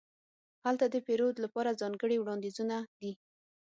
هلته د پیرود لپاره ځانګړې وړاندیزونه دي.